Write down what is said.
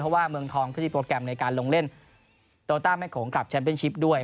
เพราะว่าเมืองทองเขามีโปรแกรมในการลงเล่นโตต้าแม่โขงกลับแชมเป็นชิปด้วย